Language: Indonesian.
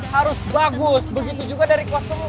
harus bagus begitu juga dari costume lu